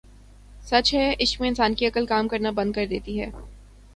سچ ہے عشق میں انسان کی عقل کام کرنا بند کر دیتی ہے